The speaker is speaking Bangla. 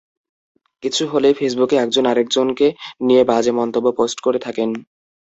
কিছু হলেই ফেসবুকে একজন আরেকজনকে নিয়ে বাজে মন্তব্য পোস্ট করে থাকেন।